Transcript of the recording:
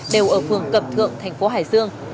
đều ở phường cập thượng tp hải dương